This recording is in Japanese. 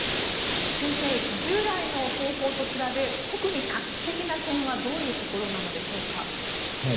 先生、従来の方法と比べ特に画期的な点はどういうところなのでしょうか。